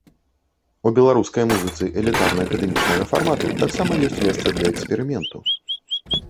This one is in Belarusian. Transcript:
У беларускай музыцы элітарна-акадэмічнага фармату таксама ёсць месца для эксперыменту.